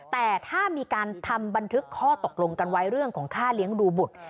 แต่ถ้ามีการทำบันทึกข้อตกลงกันไว้เรื่องของค่าเลี้ยงดูบุตร